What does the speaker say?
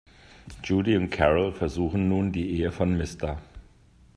Judy und Carol versuchen nun, die Ehe von Mr.